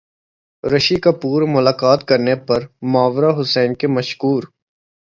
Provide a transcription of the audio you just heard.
رشی کپور ملاقات کرنے پر ماورا حسین کے مشکور